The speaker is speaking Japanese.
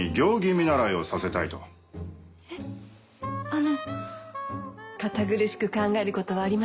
堅苦しく考えることはありませんよ。